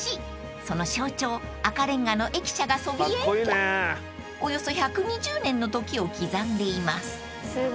［その象徴赤レンガの駅舎がそびえおよそ１２０年の時を刻んでいます］